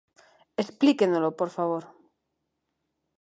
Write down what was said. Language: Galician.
Explíquenolo, por favor.